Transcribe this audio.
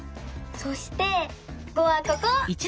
そして「５」はここ！